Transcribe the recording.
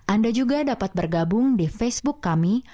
anda juga dapat bergabung di facebook kami